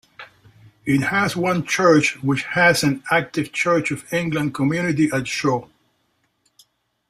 It has one church which has an active Church of England community at Shaw.